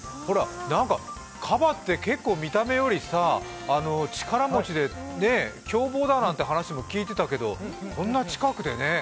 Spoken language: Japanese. カバって結構見た目より力持ちで凶暴だなんて話、聞いてたけどこんな近くでね。